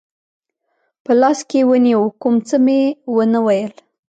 په لاس کې ونیو، کوم څه مې و نه ویل.